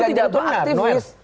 pas ganjar itu aktifis